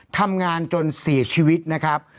ทำงานจนเสียชีวิตนะครับ